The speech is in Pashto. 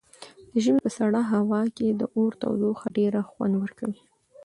د ژمي په سړه هوا کې د اور تودوخه ډېره خوند ورکوي.